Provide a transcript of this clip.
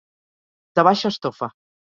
De baixa estofa.